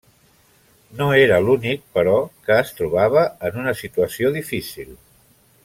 No era l'únic, però, que es trobava en una situació difícil.